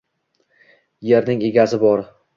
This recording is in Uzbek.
yerning «ega»si bor.